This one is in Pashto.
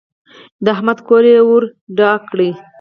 د احمد کور يې ور ډاک کړ.